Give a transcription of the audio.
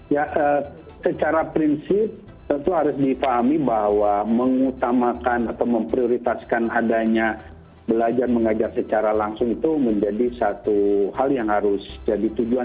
ya secara prinsip tentu harus difahami bahwa mengutamakan atau memprioritaskan adanya belajar mengajar secara langsung itu menjadi satu hal yang harus jadi tujuan